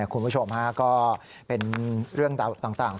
คุณผู้ชมฮะก็เป็นเรื่องราวต่าง